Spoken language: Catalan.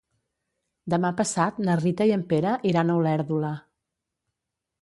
Demà passat na Rita i en Pere iran a Olèrdola.